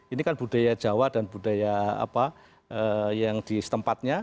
ini kan budaya jawa dan budaya yang di setempatnya